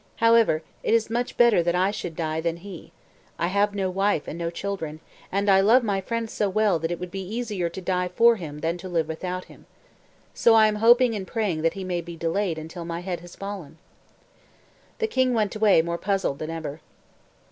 However, it is much better that I should die than he. I have no wife and no children, and I love my friend so well that it would be easier to die for him than to live without him. So I am hoping and praying that he may be delayed until my head has fallen." The king went away more puzzled than ever.